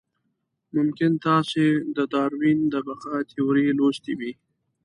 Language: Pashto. ممکن تاسې د داروېن د بقا تیوري لوستې وي.